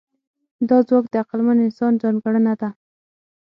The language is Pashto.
دا ځواک د عقلمن انسان ځانګړنه ده.